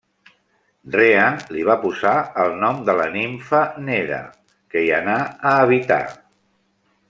Rea li va posar el nom de la nimfa Neda, que hi anà a habitar.